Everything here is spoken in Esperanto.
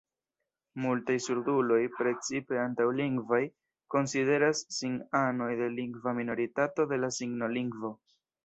Multaj surduloj, precipe antaŭ-lingvaj, konsideras sin anoj de lingva minoritato de la signolingvo.